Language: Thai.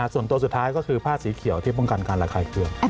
ส่วนตัวสุดท้ายก็คือผ้าสีเขียวที่ป้องกันการระคายเครื่อง